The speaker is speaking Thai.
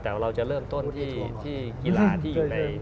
แต่ว่าเราจะเริ่มต้นที่กีฬาที่อยู่ใน